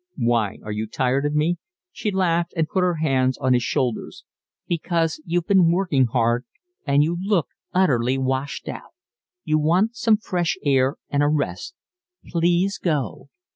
"Why? Are you tired of me?" She laughed and put her hands on his shoulders. "Because you've been working hard, and you look utterly washed out. You want some fresh air and a rest. Please go."